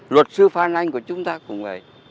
luật sư phan anh của chúng ta cũng vậy